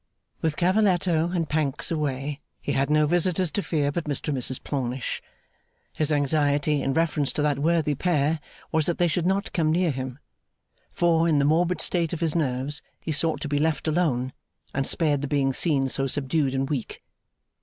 With Cavalletto and Pancks away, he had no visitors to fear but Mr and Mrs Plornish. His anxiety, in reference to that worthy pair, was that they should not come near him; for, in the morbid state of his nerves, he sought to be left alone, and spared the being seen so subdued and weak.